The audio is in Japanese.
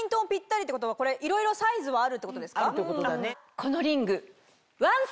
このリング。